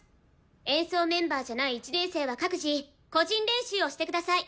演奏メンバーじゃない１年生は各自個人練習をしてください。